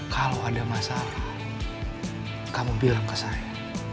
kalau ada masalah kamu bilang ke saya